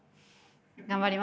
頑張ります。